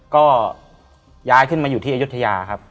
ก็ย้ายขึ้นมาอยู่ที่อายุทยาครับ